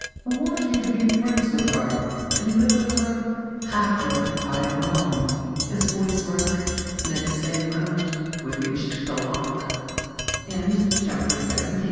I want you to be friends with her, and live with her after I am gone." His voice broke, and, at the same moment we reached the lock. *CHAPTER XVIII.